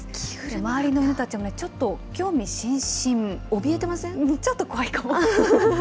周りの犬たちもちょっと興味津々、ちょっと怖いかも。